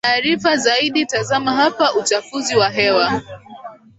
taarifa zaidi tazama hapaUchafuzi wa hewa